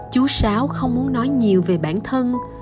chú sáu không muốn nói nhiều về bản thân